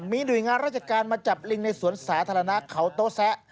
มีหน่วยงานราชการมาจับลิงในสวนสาธารณะเขาโต๊ะแซะ